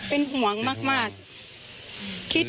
เป็นห่วงมาก